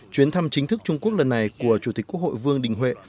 chuyến thăm chính thức trung quốc lần này của chủ tịch quốc hội vương đình huệ